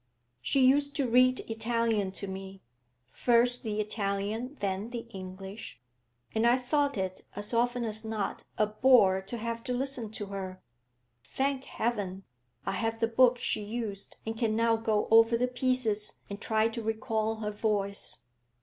She used to read Italian to me first the Italian, then the English and I thought it, as often as not, a bore to have to listen to her! Thank Heaven, I have the book she used, and can now go over the pieces, and try to recall her voice.'